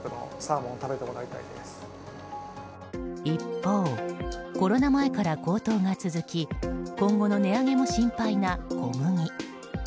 一方、コロナ前から高騰が続き今後の値上げも心配な小麦。